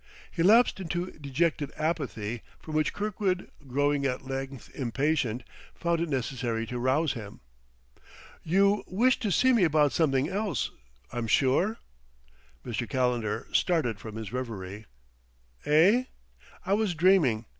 He lapsed into dejected apathy, from which Kirkwood, growing at length impatient, found it necessary to rouse him. "You wished to see me about something else, I'm sure?" Mr. Calendar started from his reverie. "Eh? ... I was dreaming.